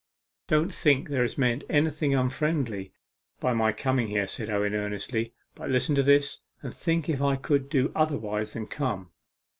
'Don't think there is meant anything unfriendly by my coming here,' said Owen earnestly; 'but listen to this, and think if I could do otherwise than come.